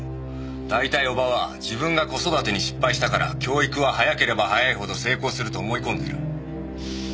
大体叔母は自分が子育てに失敗したから教育は早ければ早いほど成功すると思い込んでる。